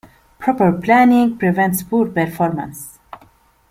Proper Planning Prevents Poor Performance.